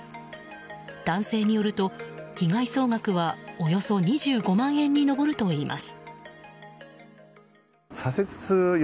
男性によると、被害総額はおよそ２５万円に上るといいます。